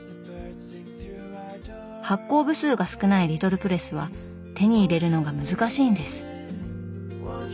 発行部数が少ないリトルプレスは手に入れるのが難しいんです。